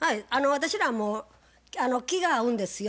私らもう気が合うんですよ。